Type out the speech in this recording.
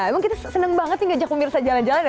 emang kita seneng banget nih ngajak pemirsa jalan jalan ya